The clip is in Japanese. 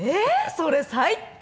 それ最低！